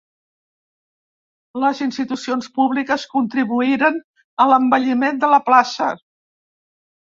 Les institucions públiques contribuïren a l'embelliment de la plaça.